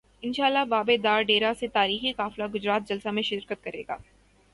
انشا ءاللہ بابے دا ڈیرہ سے تا ریخی قافلہ گجرات جلسہ میں شر کت کر ے گا